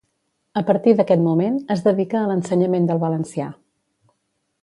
A partir d'aquest moment es dedica a l'ensenyament del valencià.